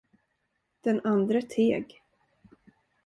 Den andre teg.